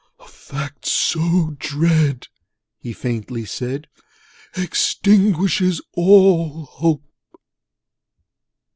'A fact so dread,' he faintly said, 'Extinguishes all hope!'